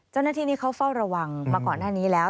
เจ้าหน้าที่นี่เขาเฝ้าระวังมาก่อนหน้านี้แล้ว